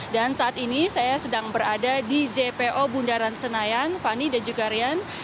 dan saat ini saya sedang berada di jpu bundaran senayan fani dan juga rian